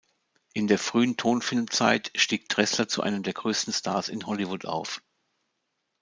In der frühen Tonfilmzeit stieg Dressler zu einem der größten Stars in Hollywood auf.